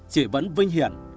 chị vẫn vinh hiển